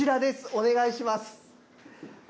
お願いします。